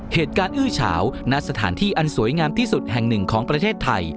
อื้อเฉาณสถานที่อันสวยงามที่สุดแห่งหนึ่งของประเทศไทย